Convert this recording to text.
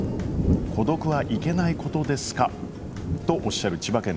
孤独はいけないことですか？とおっしゃる千葉県